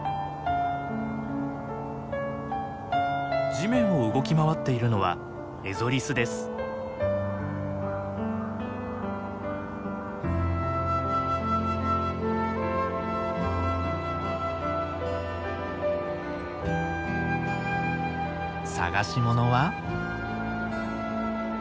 地面を動き回っているのは探し物は。